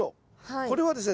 これはですね